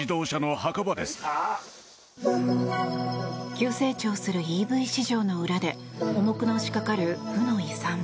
急成長するＥＶ市場の裏で重くのしかかる負の遺産。